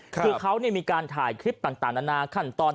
คือเขามีการถ่ายคลิปต่างนานาขั้นตอน